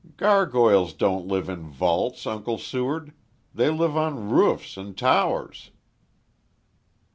"Gargoyles don't live in vaults, Uncle Seward. They live on roofs, and towers."